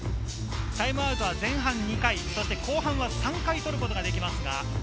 タイムアウトは前半に２回、そして後半は３回取ることができます。